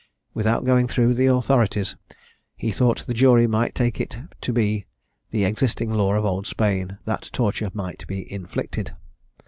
Without going through the authorities, he thought the jury might take it to be the existing law of Old Spain, that torture might be inflicted.